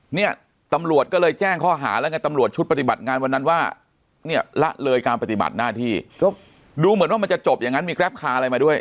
เนี่ยตำรวจก็เลยแจ้งข้อหาแล้วไงตำรวจชุดปฏิบัติงานวันนั้นว่าเนี่ยละเลยการปฏิบัติหน้าที่ดูเหมือนว่ามันจะจบอย่างนั้นมีแกรปคาร์อะไรมาด้วย